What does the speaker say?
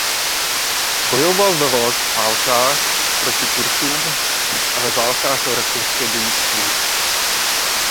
Bojoval ve válkách proti Turkům a ve Válkách o rakouské dědictví.